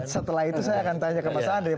setelah itu saya akan tanya ke mas andri